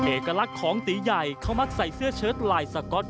เอกลักษณ์ของตีใหญ่เขามักใส่เสื้อเชิดลายสก๊อต